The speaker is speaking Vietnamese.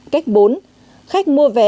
cách bốn khách mua vé